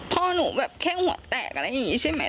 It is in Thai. พ่อหนูแบบแค่หัวแตกอะไรอย่างนี้ใช่ไหม